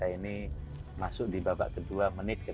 ini masuk di babak kedua menit ke tiga belas